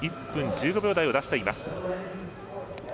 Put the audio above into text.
１分１５秒台を出しています。